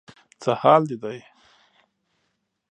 څه حال دې دی؟